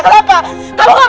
kenapa kamu gak bahagia